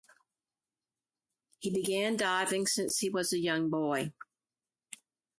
He began diving since he was a young boy.